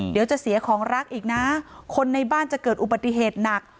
เดี๋ยวจะเสียของรักอีกนะคนในบ้านจะเกิดอุบัติเหตุหนัก